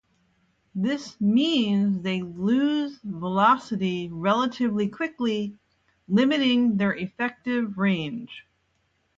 This means they lose velocity relatively quickly, limiting their effective range.